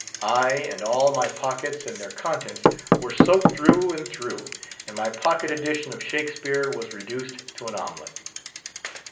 I, and all my pockets and their contents, were soaked through and through, and my pocket edition of Shakespeare was reduced to an omelet.